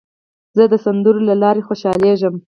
زه د سندرو له لارې خوشحالېږم.